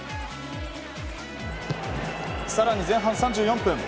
更に前半３４分。